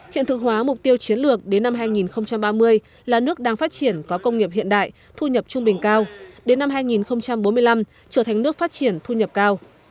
hiện thực hóa mục tiêu chiến lược đến năm hai nghìn ba mươi là nước đang phát triển có công nghiệp hiện đại thu nhập trung bình cao đến năm hai nghìn bốn mươi năm trở thành nước phát triển thu nhập cao